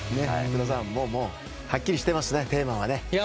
福田さんはっきりしていますねテーマは。